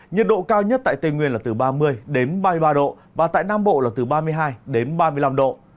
nhiệt độ cao nhất tại tây nguyên là từ ba mươi đến ba mươi ba độ và tại nam bộ là từ ba mươi hai đến ba mươi năm độ